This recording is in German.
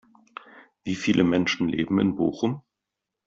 Wie viele Menschen leben in Bochum?